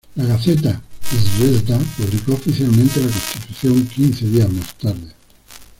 La gaceta "Zvezda" publicó oficialmente la Constitución quince días más tarde.